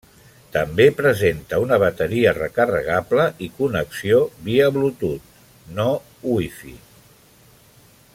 També presenta una bateria recarregable i connexió via Bluetooth, no Wi-Fi.